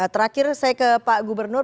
terakhir saya ke pak gubernur